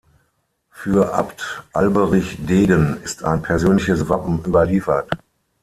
Für Abt Alberich Degen ist ein persönliches Wappen überliefert.